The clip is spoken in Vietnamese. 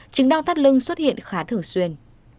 chứng đau thắt lưng xuất hiện khá thường xuyên